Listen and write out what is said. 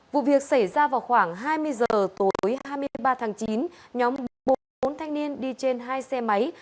vụ việc xảy ra vào khoảng hai mươi h tối hai mươi ba tháng chín nhóm bốn thanh niên đi trên hai xe máy